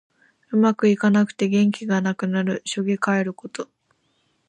うまくいかなくて元気がなくなる。しょげかえること。